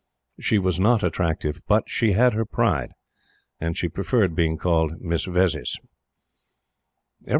She was not attractive; but she had her pride, and she preferred being called "Miss Vezzis."